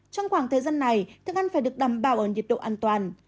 trong khoảng thời gian này thức ăn phải được đảm bảo ở nhiệt độ an toàn